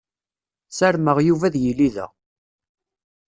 Sarmeɣ Yuba ad yili da.